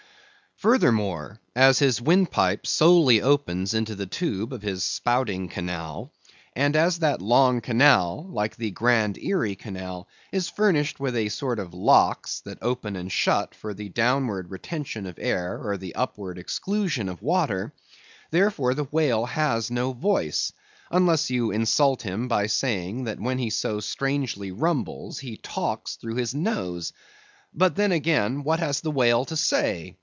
Furthermore, as his windpipe solely opens into the tube of his spouting canal, and as that long canal—like the grand Erie Canal—is furnished with a sort of locks (that open and shut) for the downward retention of air or the upward exclusion of water, therefore the whale has no voice; unless you insult him by saying, that when he so strangely rumbles, he talks through his nose. But then again, what has the whale to say?